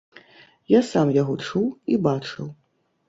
Я сам яго чуў і бачыў.